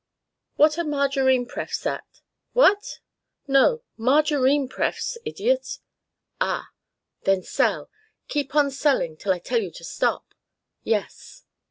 What are Margarine Prefs. at?... What? ... No, Margarine Prefs. idiot.... Ah! Then sell. Keep on selling till I tell you to stop.... Yes."